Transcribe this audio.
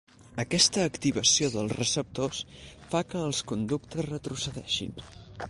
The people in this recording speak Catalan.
Aquesta activació dels receptors fa que els conductes retrocedeixin.